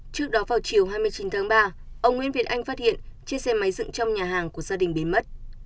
trước đó vào chiều hai mươi chín tháng ba ông nguyễn việt anh phát hiện chiếc xe máy dựng trong nhà hàng của gia đình biến mất